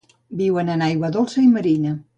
Viuen en aigua dolça i marina.